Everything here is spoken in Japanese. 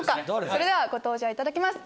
それではご登場いただきます